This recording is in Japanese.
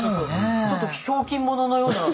ちょっとひょうきん者のような。